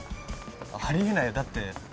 あり得ないよだって。